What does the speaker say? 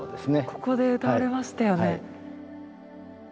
ここで歌われましたよね。